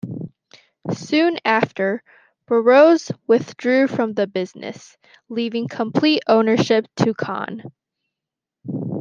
Soon after, Burroughs withdrew from the business, leaving complete ownership to Kahn.